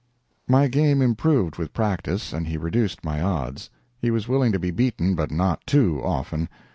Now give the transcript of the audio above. My game improved with practice, and he reduced my odds. He was willing to be beaten, but not too often.